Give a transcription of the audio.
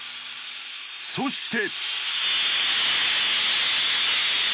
そして。